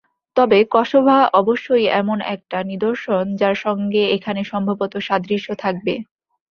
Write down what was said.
তবে কসোভো অবশ্যই এমন একটা নিদর্শন, যার সঙ্গে এখানে সম্ভবত সাদৃশ্য থাকবে।